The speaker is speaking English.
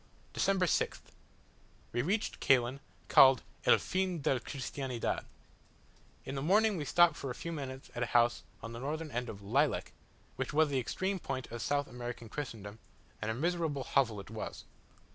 December 6th. We reached Caylen, called "el fin del Cristiandad." In the morning we stopped for a few minutes at a house on the northern end of Laylec, which was the extreme point of South American Christendom, and a miserable hovel it was.